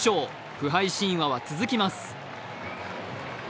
不敗神話は続きます。